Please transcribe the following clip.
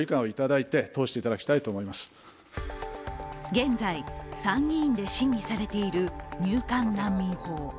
現在、参議院で審議されている入管難民法。